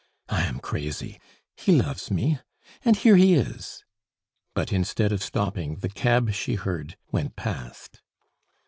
I am crazy! He loves me! And here he is!" But instead of stopping, the cab she heard went past.